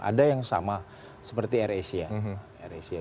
ada yang sama seperti air asia